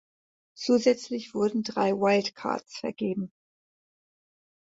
Zusätzlich wurden drei Wildcards vergeben.